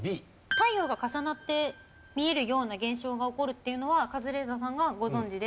太陽が重なって見えるような現象が起こるっていうのはカズレーザーさんがご存じで。